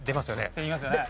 って言いますよね。